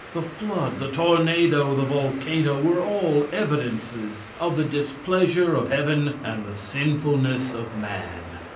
The flood, the tornado, the volcano, were all evidences of the displeasure of heaven and the sinfulness of man.